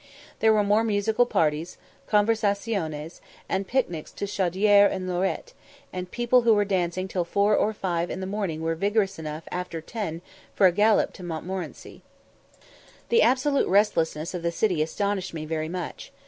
There were musical parties, conversaziones, and picnics to the Chaudière and Lorette; and people who were dancing till four or five o'clock in the morning were vigorous enough after ten for a gallop to Montmorenci. The absolute restlessness of the city astonished me very much.